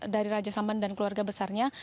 dari raja salman dan keluarga besarnya